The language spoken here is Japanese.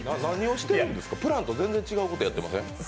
プランと全然違うことやってません？